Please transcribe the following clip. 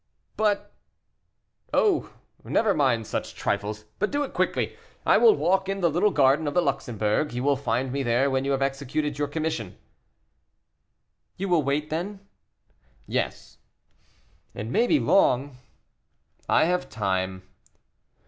"But " "Oh! never mind such trifles, but do it quickly; I will walk in the little garden of the Luxembourg; you will find me there when you have executed your commission." "You will wait, then?" "Yes." "It may be long." "I have time."